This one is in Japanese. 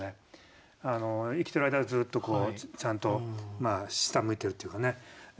生きてる間はずっとちゃんと下向いてるっていうかね。